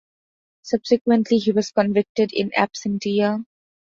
Subsequently, he was convicted "in absentia".